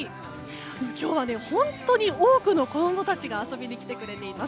今日は、本当に多くの子供たちが遊びに来てくれています。